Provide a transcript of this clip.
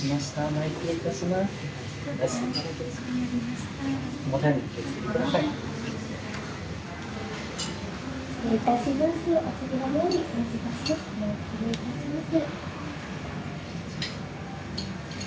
前失礼いたします。